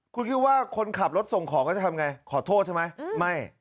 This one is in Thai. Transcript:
คุณคิดว่าคนขับรถส่งของก็จะทำไงขอโทษใช่ไหมไม่